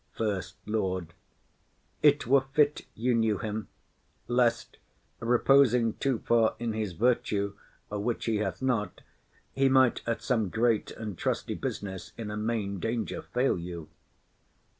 SECOND LORD. It were fit you knew him; lest, reposing too far in his virtue, which he hath not, he might at some great and trusty business, in a main danger fail you.